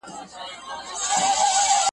له واخانه تر پنجشیره د هري تر منارونو .